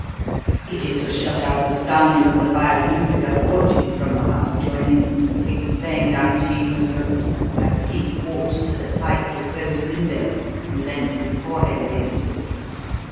"It is to shut out the sounds of the vile infidel orgies from the house adjoining," explained Arjeeb Noosrut, as Cleek walked to the tightly closed window and leant his forehead against it.